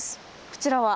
こちらは？